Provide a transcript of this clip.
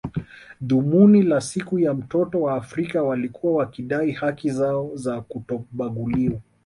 Dhumuni la siku ya mtoto wa Afrika walikuwa wakidai haki zao za kutobaguliwa